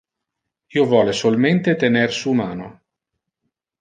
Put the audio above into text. Io vole solmente tener su mano.